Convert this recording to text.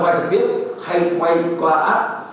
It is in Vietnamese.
quay thật tiếp hay quay qua ác